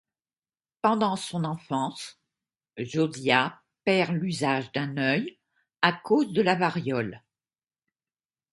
Pendant son enfance, Josiah perd l'usage d'un œil à cause de la variole.